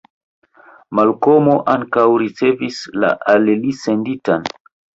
Malkomo ankaŭ ricevis la al li senditan.